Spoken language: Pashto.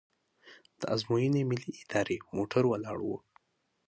د ازموینې ملي ادارې موټر ولاړ و.